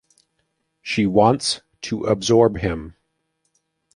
She wants to absorb him.